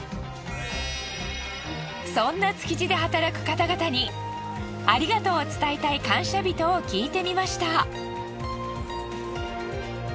そんな築地で働く方々にありがとうを伝えたい感謝人を聞いてみました。